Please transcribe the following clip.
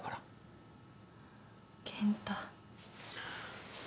健太。